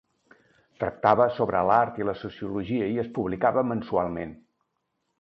Tractava sobre l'art i la sociologia i es publicava mensualment.